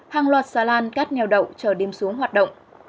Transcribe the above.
hàng loạt xà lan cát neo đậu chờ đêm xuống hoạt động